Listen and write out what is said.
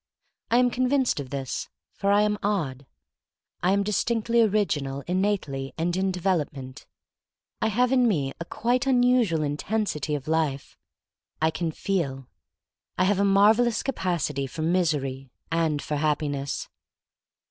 I am convinced of this, for I am odd. I am distinctly original innately and in development. I have in me a quite unusual intensity of life. I can feel. I have a marvelous capacity for mis ery and for happiness.